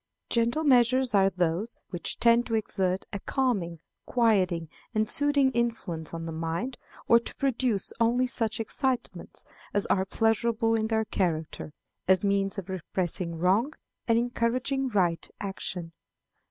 Gentle measures are those which tend to exert a calming, quieting, and soothing influence on the mind, or to produce only such excitements as are pleasurable in their character, as means of repressing wrong and encouraging right action.